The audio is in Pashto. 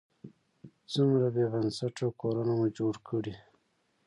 څومره بې بنسټه کورونه مو جوړ کړي.